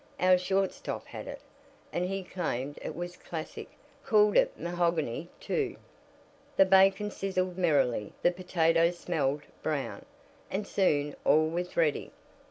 Our shortstop had it, and he claimed it was classic called it mahogany, too." The bacon sizzled merrily, the potatoes smelled "brown," and soon all was ready.